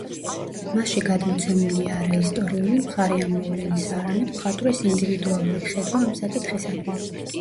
მასში გადმოცემულია არა ისტორიული მხარე ამ მოვლენისა, არამედ მხატვრის ინდივიდუალური ხედვა ამ საკითხისადმი.